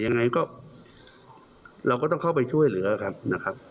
ยังไงก็เราก็ต้องเข้าไปช่วยเหลือครับนะครับ